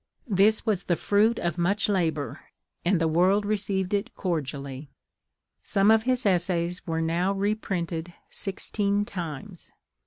This was the fruit of much labor, and the world received it cordially. Some of his essays were now reprinted sixteen times.